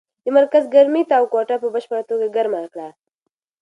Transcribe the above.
د مرکز ګرمۍ تاو کوټه په بشپړه توګه ګرمه کړه.